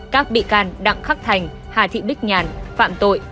các bị can đặng khắc thành hà thị bích nhàn phạm tội